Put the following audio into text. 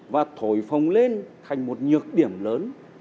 và thổi phồng lên thành một nhược điểm lớn